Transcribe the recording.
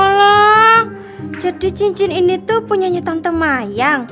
walah jadi cincin ini tuh punyanya tante maya